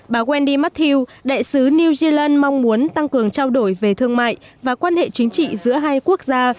bà wendy mathiew đại sứ new zealand mong muốn tăng cường trao đổi về thương mại và quan hệ chính trị giữa hai quốc gia